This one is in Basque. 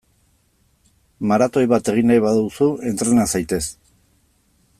Maratoi bat egin nahi baduzu, entrena zaitez!